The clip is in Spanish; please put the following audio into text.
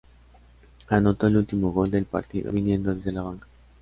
Anotó el último gol del partido viniendo desde la banca.